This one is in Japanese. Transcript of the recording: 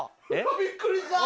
びっくりした！